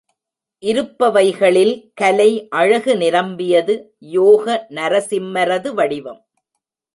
இருப்பவைகளில் கலை அழகு நிரம்பியது யோக நரசிம்மரது வடிவம்.